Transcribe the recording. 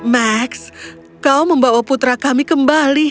max kau membawa putra kami kembali